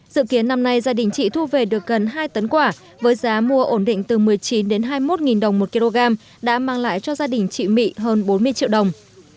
dự kiến năm nay gia đình chị thu về được gần hai tấn quả với giá mua ổn định từ một mươi chín đến hai mươi một đồng một kg đã mang lại cho gia đình chị mị hơn bốn mươi triệu đồng